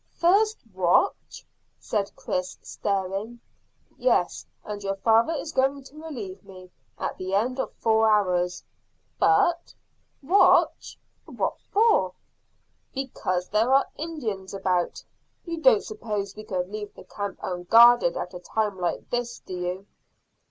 "First watch?" said Chris, staring. "Yes, and your father is going to relieve me at the end of four hours." "But watch? What for?" "Because there are Indians about. You don't suppose we could leave the camp unguarded at a time like this, do you?"